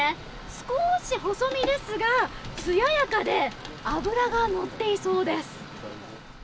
少し、細身ですが、つややかで脂がのっていそうです。